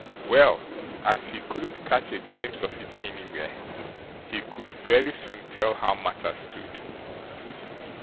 Well, as he couldn't catch a glimpse of it anywhere, he could very soon tell how matters stood.